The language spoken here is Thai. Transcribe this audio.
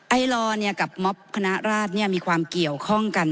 ไอลอร์กับม็อบคณะราชมีความเกี่ยวข้องกัน